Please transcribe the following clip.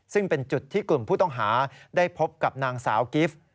ซึ่งเป็นจุดที่กลุ่มผู้ต้องหาได้พบกับนางสาวกิฟต์